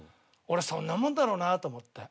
俺そんなもんだろうなと思って。